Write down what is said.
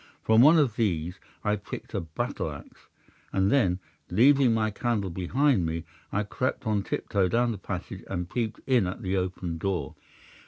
From one of these I picked a battle axe, and then, leaving my candle behind me, I crept on tiptoe down the passage and peeped in at the open door.